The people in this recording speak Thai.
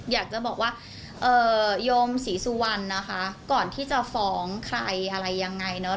อยากจะบอกว่าโยมศรีสุวรรณนะคะก่อนที่จะฟ้องใครอะไรยังไงเนอะ